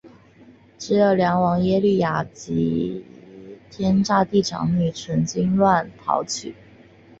只有梁王耶律雅里及天祚帝长女乘军乱逃去。